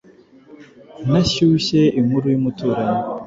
ntashyushye inkuru y’umuturanyi